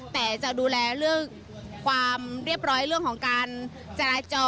แต่จะดูแลเรื่องความเรียบร้อยเรื่องของการจราจร